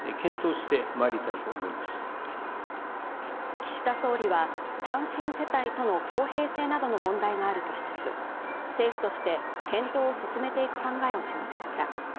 岸田総理は単身世帯との公平性などの問題があるとしつつ政府として検討を進めていく考えを示しました。